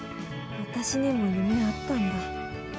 私にも夢あったんだ。